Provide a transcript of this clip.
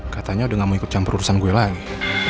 katanya udah gak mau ikut jam perurusan gue lagi